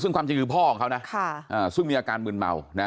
ซึ่งความจริงคือพ่อของเขานะ